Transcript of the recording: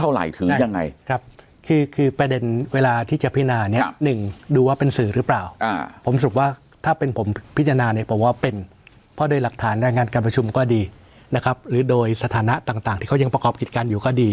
หรือโดยสถานะต่างที่เขายังประกอบกิจการอยู่ก็ดี